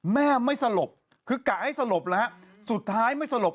แม่ไม่สลบคือกะให้สลบแล้วฮะสุดท้ายไม่สลบ